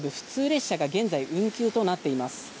列車が現在、運休となっています。